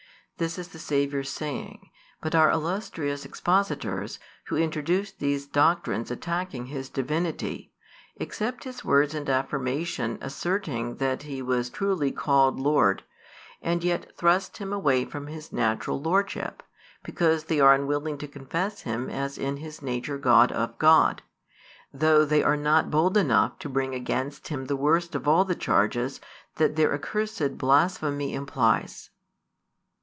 This is the Saviour's saying: but our illustrious expositors, who introduce these doctrines attacking His Divinity, accept his words and affirmation asserting that He was truly called Lord, and yet thrust Him away from His natural lordship, because they are unwilling to confess Him as in His nature God of God; though |275 they are not bold enough to bring against Him the worst of all the charges that their accursed blasphemy implies.